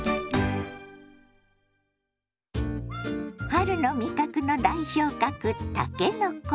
春の味覚の代表格たけのこ。